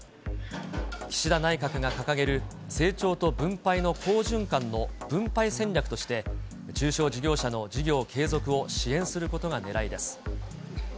岸田内閣が掲げる成長と分配の好循環の分配戦略として、中小事業者の事業継続を支援することがねらいです。